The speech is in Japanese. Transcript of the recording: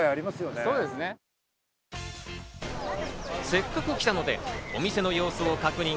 せっかく来たので、お店の様子を確認